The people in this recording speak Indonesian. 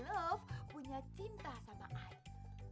emma belum ber aberang keburu